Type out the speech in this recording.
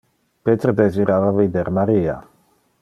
Peter desirava vider Maria.